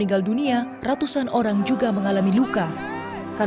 dalam tragedi stadion kanjuruhan satu oktober dua ribu dua puluh dua